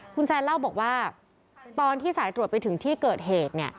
คุณแซนเล่าบอกว่าตอนที่สายตรวจไปถึงที่เกิดเหตุ